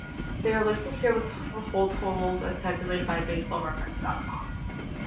They are listed here with hold totals as calculated by Baseball-reference dot com.